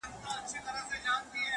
• چي ژوندی یم زما به یاد يې میرهاشمه..